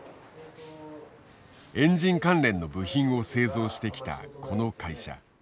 エンジン関連の部品を製造してきたこの会社。